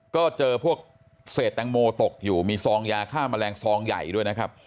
ก็เจอพวกเศษแตงโมตกอยู่มีซองยาฆ่าแมลงซองใหญ่ด้วยนะครับ